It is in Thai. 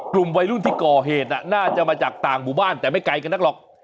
กลุ่มวัยรุ่นที่ก่อเหตุน่าจะมาจากต่างหมู่บ้านแต่ไม่ไกลกันนักหรอก